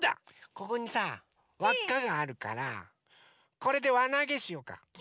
ここにさわっかがあるからこれでわなげしようか！